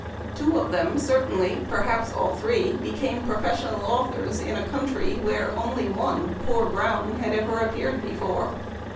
Two of them, certainly, per haps all three, became professional authors in a country where only one (poor Brown) had ever appeared before.